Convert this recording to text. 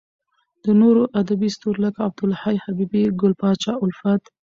د نورو ادبې ستورو لکه عبد الحی حبیبي، ګل پاچا الفت .